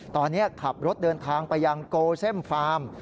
ตอนนี้ขับรถเดินทางไปยังโกเซมฟาร์ม